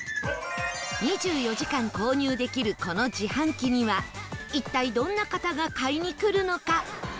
２４時間購入できるこの自販機には一体どんな方が買いに来るのか？